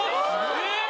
えっ？